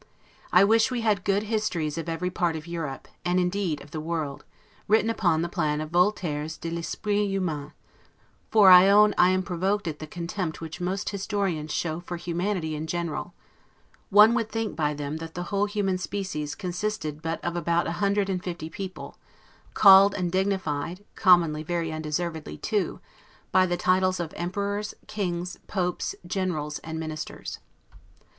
I wish we had good histories of every part of Europe, and indeed of the world, written upon the plan of Voltaire's 'de l'Esprit Humain'; for, I own, I am provoked at the contempt which most historians show for humanity in general: one would think by them that the whole human species consisted but of about a hundred and fifty people, called and dignified (commonly very undeservedly too) by the titles of emperors, kings, popes, generals, and ministers.